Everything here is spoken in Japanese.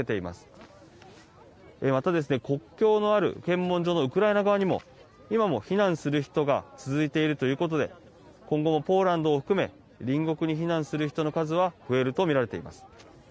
また、国境のある検問所のウクライナ側にも今も避難する人が続いているということで今後もポーランドを含め隣国に避難する人の数は増えるとみられています。